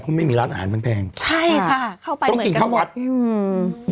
เพราะไม่มีร้านอาหารมันแพงใช่ค่ะเข้าไปต้องกินข้าววัดอืม